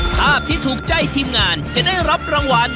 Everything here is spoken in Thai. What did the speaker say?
ภาพที่ถูกใจทีมงานจะได้รับรางวัล